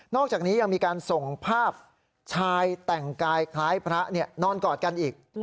อกจากนี้ยังมีการส่งภาพชายแต่งกายคล้ายพระนอนกอดกันอีก